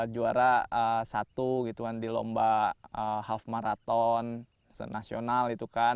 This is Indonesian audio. juara satu di lomba half marathon nasional